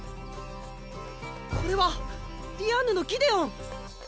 これはディアンヌのギデオン！